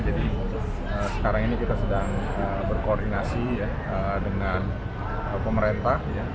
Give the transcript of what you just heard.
jadi sekarang ini kita sedang berkoordinasi dengan pemerintah